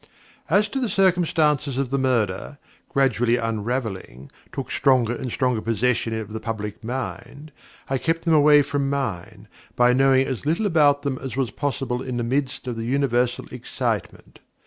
As the circumstances of the Murder, gradually unravelling, took stronger and stronger possession of the public mind, I kept them away from mine, by knowing as little about them as was possible in the midst of the universal excitement.